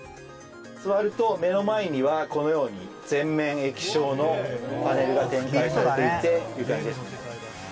座ると目の前にはこのように全面液晶のパネルが備えられています。